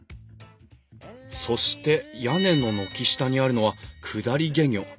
そして屋根の軒下にあるのは降り懸魚。